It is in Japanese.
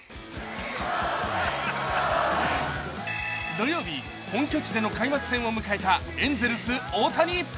土曜日、本拠地での開幕戦を迎えたエンゼルス・大谷。